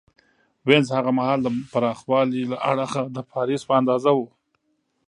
وینز هغه مهال د پراخوالي له اړخه د پاریس په اندازه و